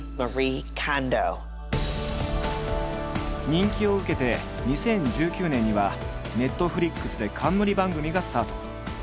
人気を受けて２０１９年にはＮｅｔｆｌｉｘで冠番組がスタート。